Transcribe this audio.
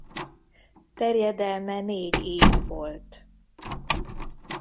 Terjedelme négy ív volt.